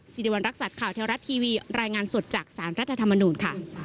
สิริวัณรักษัตริย์ข่าวเทวรัฐทีวีรายงานสดจากสารรัฐธรรมนูญค่ะ